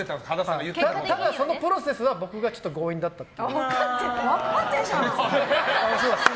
ただ、そのプロセスは僕が強引だったと。